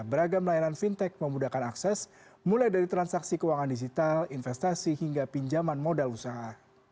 beragam layanan fintech memudahkan akses mulai dari transaksi keuangan digital investasi hingga pinjaman modal usaha